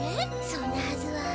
そんなはずは。